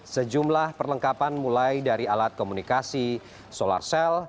sejumlah perlengkapan mulai dari alat komunikasi solar cell